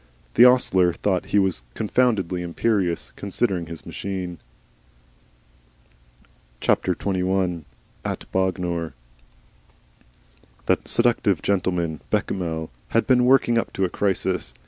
The ostler thought he was confoundedly imperious, considering his machine. XXI. AT BOGNOR That seductive gentleman, Bechamel, had been working up to a crisis.